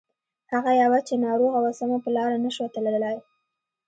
هغه يوه چې ناروغه وه سمه په لاره نه شوه تللای.